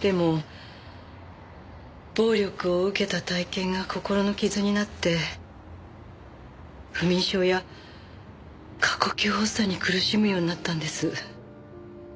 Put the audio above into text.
でも暴力を受けた体験が心の傷になって不眠症や過呼吸発作に苦しむようになったんです。